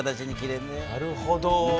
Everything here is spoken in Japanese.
なるほど。